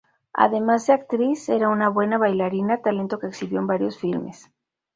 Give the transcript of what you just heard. Además de actriz, era una buena bailarina, talento que exhibió en varios filmes.